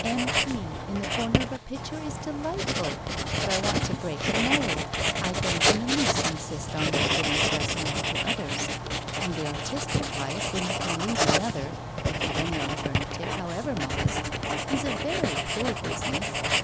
'M.P.' in the corner of a picture is delightful, but I want to break the mould: I don't in the least insist on your giving specimens to others. And the artistic life, when you can lead another if you've any alternative, however modest is a very poor business.